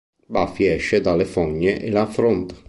Buffy esce dalle fogne e la affronta.